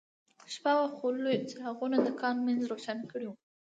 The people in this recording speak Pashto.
شپه وه خو لویو څراغونو د کان منځ روښانه کړی و